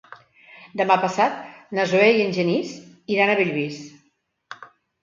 Demà passat na Zoè i en Genís iran a Bellvís.